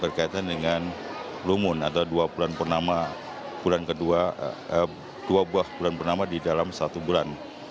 berkaitan dengan lumun atau dua bulan pertama dua bulan pertama di dalam satu bulan